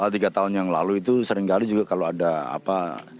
tiga tahun yang lalu itu seringkali juga kalau ada apa